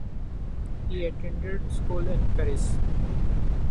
He attended school in Paris.